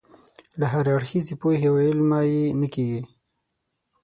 له هراړخیزې پوهې او علمه یې نه کېږي.